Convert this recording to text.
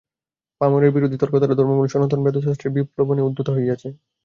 পামরেরা বিরোধী তর্ক দ্বারা ধর্মমূল সনাতন বেদশাস্ত্রের বিপ্লাবনে উদ্যত হইয়াছে।